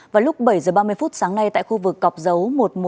vào lúc bảy h ba mươi sáng nay tại khu vực cọc dấu một trăm một mươi tám